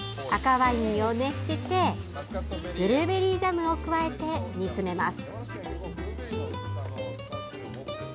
赤ワインを熱してブルーベリージャムを加えて煮詰めます。